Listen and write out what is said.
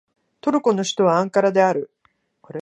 トルコの首都はアンカラである